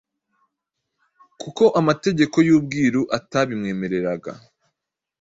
kuko amategeko y’ubwiru atabimwemereraga.